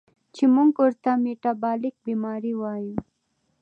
چې مونږ ورته ميټابالک بیمارۍ وايو